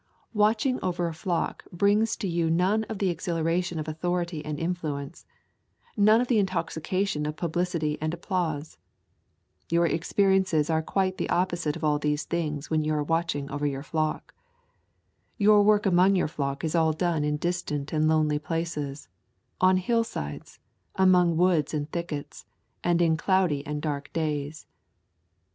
Watching over a flock brings to you none of the exhilaration of authority and influence, none of the intoxication of publicity and applause. Your experiences are the quite opposite of all these things when you are watching over your flock. Your work among your flock is all done in distant and lonely places, on hillsides, among woods and thickets, and in cloudy and dark days.